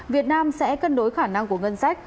việt nam sẽ cân đối khả năng của ngân sách